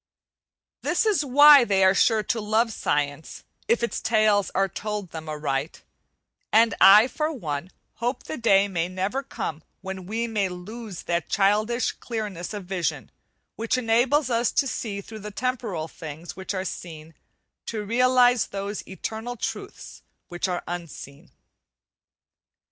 This is why they are sure to love science it its tales are told them aright; and I, for one, hope the day may never come when we may lose that childish clearness of vision, which enables us through the temporal things which are seen, to realize those eternal truths which are unseen.